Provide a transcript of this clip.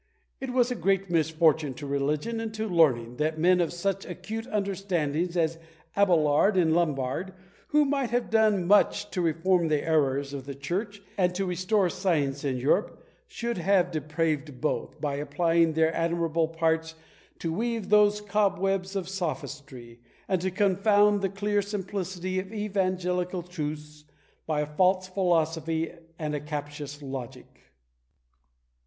It was a great misfortune to religion and to learning, that men of such acute understandings as Abelard and Lombard, who might have done much to reform the errors of the church, and to restore science in Europe, should have depraved both, by applying their admirable parts to weave those cobwebs of sophistry, and to confound the clear simplicity of evangelical truths, by a false philosophy and a captious logic.